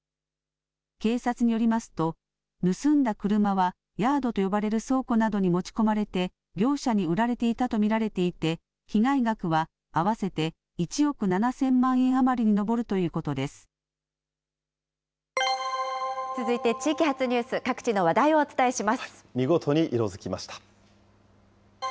警察によりますと、盗んだ車はヤードと呼ばれる倉庫などに持ち込まれて、業者に売られていたと見られていて、被害額は合わせて１億７０００万円余りに上るという続いて地域発ニュース、各地見事に色づきました。